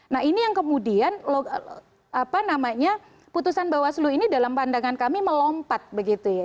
nah ini yang kemudian putusan bawaslu ini dalam pandangan kami melompat begitu ya